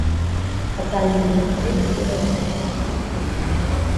Atanga ingero ku bihugu byo muri Afurika nka Libya